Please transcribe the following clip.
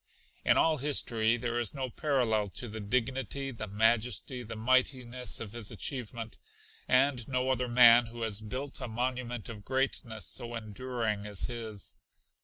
In all history there is no parallel to the dignity, the majesty, the mightiness of his achievement, and no other man who has built a monument of greatness so enduring as his.